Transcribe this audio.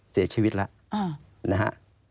เสียชีวิตแล้วนะฮะ